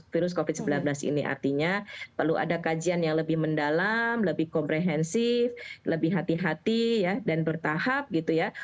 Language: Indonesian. virus covid sembilan belas ini artinya perlu ada kajian yang lebih mendalam lebih komprehensif lebih hati hati dan bertahap gitu ya